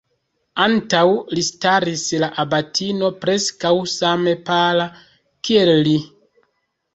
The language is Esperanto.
Antaŭ li staris la abatino, preskaŭ same pala, kiel li.